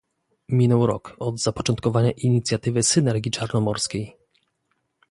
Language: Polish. Minął rok od zapoczątkowania inicjatywy synergii czarnomorskiej